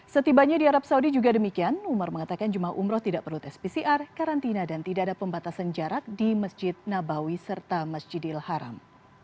setibanya di arab saudi juga demikian umar mengatakan jemaah umroh tidak perlu tes pcr karantina dan tidak ada pembatasan jarak di masjid nabawi serta masjidil haram